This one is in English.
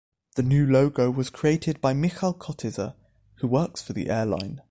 The new logo was created by Michal Kotyza, who works for the airline.